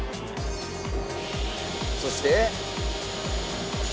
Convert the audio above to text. そして。